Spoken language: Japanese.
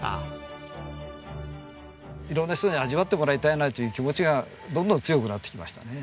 色んな人に味わってもらいたいなっていう気持ちがどんどん強くなってきましたね。